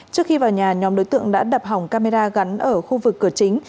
trước khi vào nhà nhóm đối tượng đã đập hỏng camera gắn ở khu vực cửa chính